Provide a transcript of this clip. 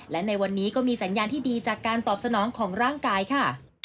และในวันนี้ก็มีสัญญาณที่ดีจากการตอบสนองของร่างกายค่ะ